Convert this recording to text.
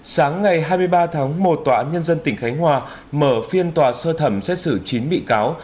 sáng ngày hai mươi ba tháng một tòa án nhân dân tỉnh khánh hòa mở phiên tòa sơ thẩm xét xử chín bị cáo